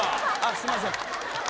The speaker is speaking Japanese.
すいません。